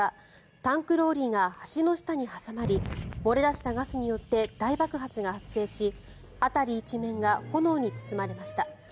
タンクローリーが橋の下に挟まり漏れ出したガスによって大爆発が発生し辺り一面が炎に包まれました。